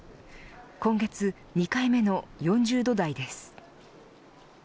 今月２回目の４０度台です。